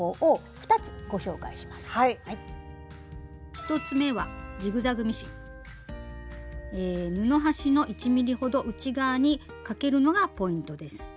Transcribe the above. １つ目は布端の１ｍｍほど内側にかけるのがポイントです。